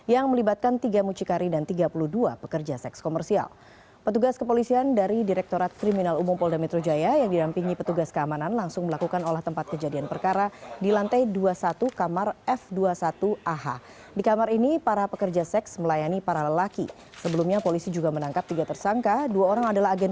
yang melibatkan tiga mucikari dan tiga puluh dua pekerjaan